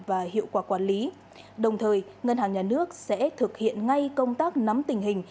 và hiệu quả quản lý đồng thời ngân hàng nhà nước sẽ thực hiện ngay công tác nắm tình hình